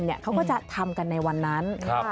เขาก็จะทำกันในวันนั้น